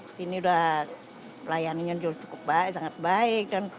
disini sudah pelayanannya juga cukup baik sangat baik